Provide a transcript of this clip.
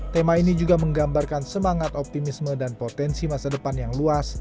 tema ini juga menggambarkan semangat optimisme dan potensi masa depan yang luas